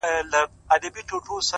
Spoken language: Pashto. تا ولي په سوالونو کي سوالونه لټوله ؛